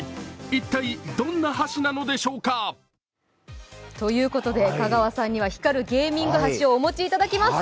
一体、どんな箸なのでしょうか。ということで、香川さんには光るゲーミング箸をお持ちいただきます。